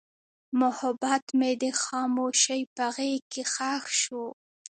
محبت مې د خاموشۍ په غېږ کې ښخ شو.